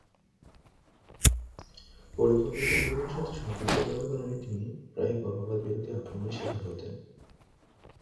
পরিকল্পিত পরিবারের সাথে সম্পৃক্ত থাকার কারণে তিনি প্রায়ই গর্ভপাত বিরোধীদের আক্রমনের শিকার হতেন।